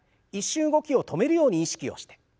一瞬動きを止めるように意識をして。